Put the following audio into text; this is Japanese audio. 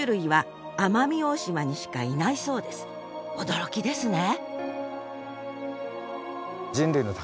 驚きですね！